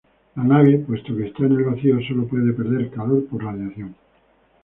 La nave, puesto que está en el vacío, solo puede perder calor por radiación.